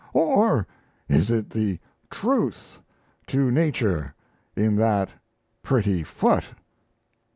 or is it the truth to nature in that pretty foot?